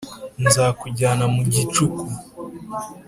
nzakujyana mu gicuku